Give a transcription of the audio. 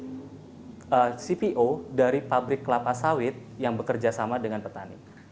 dan setelah itu pemerintah harus mendapatkan pembantu dari pabrik kelapa sawit yang bekerja sama dengan petani